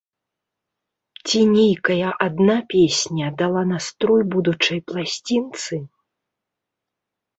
Ці нейкая адна песня дала настрой будучай пласцінцы?